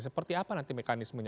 seperti apa nanti mekanismenya